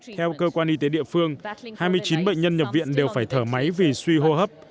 theo cơ quan y tế địa phương hai mươi chín bệnh nhân nhập viện đều phải thở máy vì suy hô hấp